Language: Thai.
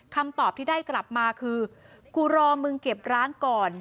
คำตอบที่ได้กลับมาคือกูรอมึงเก็บร้านก่อน